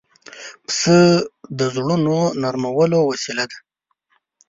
پسه د زړونو نرمولو وسیله ده.